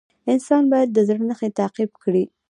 انسان باید د زړه نښې تعقیب کړي.